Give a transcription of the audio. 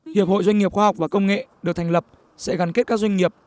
hiệp hội doanh nghiệp khoa học và công nghệ được thành lập sẽ gắn kết các doanh nghiệp